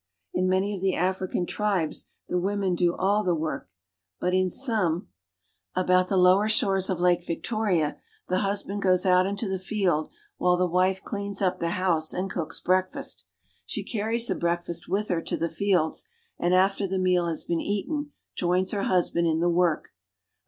In many of the African the women do all the work, but in some, about the 1 1 44 AFRICA lower shores of Lake Victoria, the husband goes out into the field while the wife cleans up the house and cooks breakfast. She carries the breakfast with her to the fields, and after the meal has been eaten joins her husband in the work.